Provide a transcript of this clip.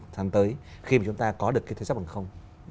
tháng tới khi mà chúng ta có được cái thuế sắp bằng không